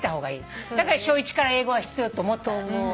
だから小１から英語は必要だと思った。